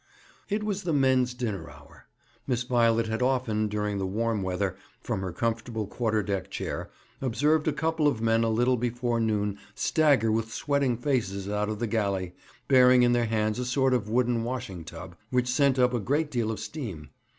It was the men's dinner hour. Miss Violet had often, during the warm weather, from her comfortable quarter deck chair, observed a couple of men a little before noon stagger with sweating faces out of the galley, bearing in their hands a sort of wooden washing tub, which sent up a great deal of steam.